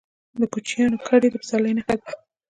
د کوچیانو کډې د پسرلي نښه ده.